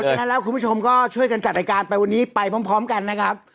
ฉะนั้นแล้วคุณผู้ชมก็ช่วยกันจัดรายการไปวันนี้ไปพร้อมกันนะครับ